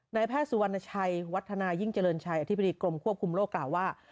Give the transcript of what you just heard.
แพทย์สุวรรณชัยวัฒนายิ่งเจริญชัยอธิบดีกรมควบคุมโรคกล่าวว่า